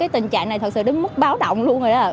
tình trạng này thật sự đến mức báo động luôn rồi đó